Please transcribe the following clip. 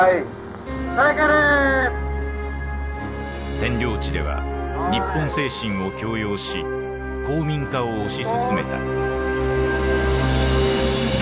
占領地では日本精神を強要し皇民化を推し進めた。